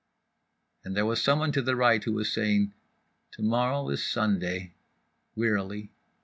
And there was someone to the right who was saying: "To morrow is Sunday" … wearily.